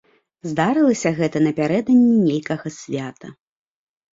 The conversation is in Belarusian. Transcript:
Здарылася гэта напярэдадні нейкага свята.